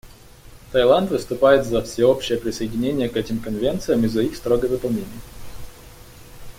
Таиланд выступает за всеобщее присоединение к этим конвенциям и за их строгое выполнение.